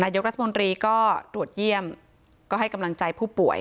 ยกรัฐมนตรีก็ตรวจเยี่ยมก็ให้กำลังใจผู้ป่วย